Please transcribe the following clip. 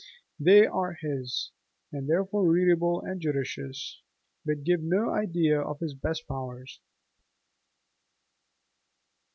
They are his, and therefore readable and judicious; but they give no idea of his best powers.